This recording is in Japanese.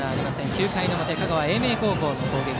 ９回の表、香川・英明高校の攻撃。